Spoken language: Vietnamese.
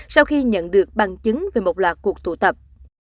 sau khi nhận được bằng chứng về một loạt cuộc tụ tập